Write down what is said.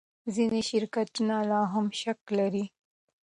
ځینې شرکتونه لا هم شک لري.